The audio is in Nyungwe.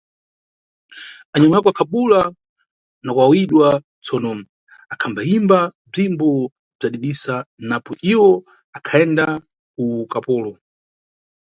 Azinyamuya wako akhabuwula na kuwawidwa, tsono akhambayimba bzimbo bzadidisa napo iwo akhayenda ku ukapolo.